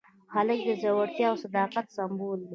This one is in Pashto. هلک د زړورتیا او صداقت سمبول دی.